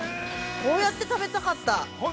こうやって食べたかった。